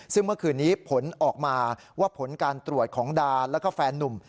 ซึ่งเมื่อคืนนี้ผลออกมาว่าผลการตรวจของดาแล้วก็แฟนนุ่ม